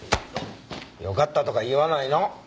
よかったとか言わないの。